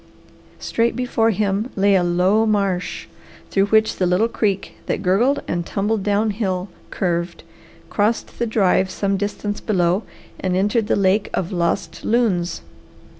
Straight before him lay a low marsh, through which the little creek that gurgled and tumbled down hill curved, crossed the drive some distance below, and entered the lake of Lost Loons.